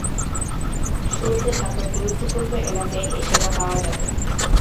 শুরুতে ঢাকার গুরুত্বপূর্ণ এলাকায় এ সেবা পাওয়া যাবে।